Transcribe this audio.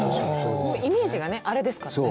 イメージがね、あれですからね。